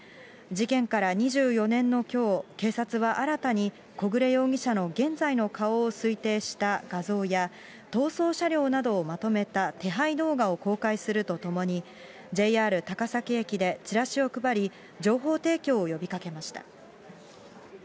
事件から２４年のきょう、警察は新たに、小暮容疑者の現在の顔を推定した画像や、逃走車両などをまとめた手配動画を公開するとともに、ＪＲ高崎駅でチラシを配り、情報提供を呼びかけました。